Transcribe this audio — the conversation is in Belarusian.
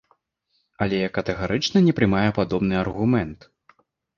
Але я катэгарычна не прымаю падобны аргумент.